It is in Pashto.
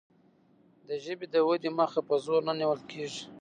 د ژبې د ودې مخه په زور نه نیول کیږي.